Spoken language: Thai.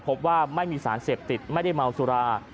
พบว่าไม่มีสารเสพติดไม่ได้เมาสุรา